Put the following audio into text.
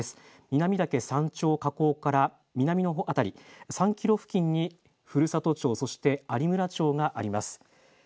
南岳山頂火口から南の辺り３キロ付近に古里町、そして有村町があります。